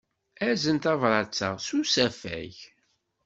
Azen tabṛat-a s usafag.